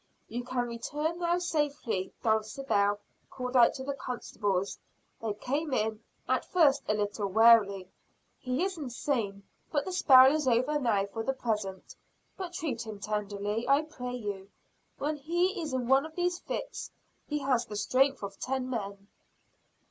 "You can return now safely," Dulcibel called out to the constables. They came in, at first a little warily. "He is insane; but the spell is over now for the present. But treat him tenderly, I pray you. When he is in one of these fits, he has the strength of ten men."